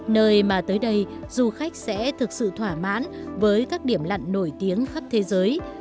nơi mà tới đây du khách sẽ thực sự thỏa mãn với các điểm lặn nổi tiếng khắp thế giới